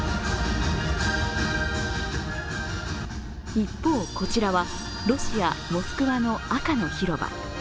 一方、こちらはロシア・モスクワの赤の広場。